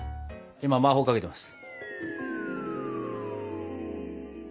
今魔法かけてます。